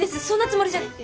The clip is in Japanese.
そんなつもりじゃ。